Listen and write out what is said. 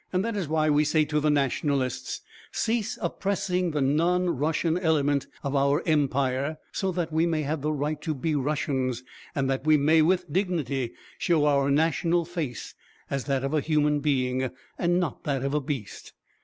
'" "That is why we say to the 'Nationalists': 'Cease oppressing the non Russian element of our empire, so that we may have the right to be Russians, and that we may with dignity show our national face, as that of a human being, not that of a beast.